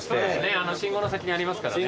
信号の先にありますからね。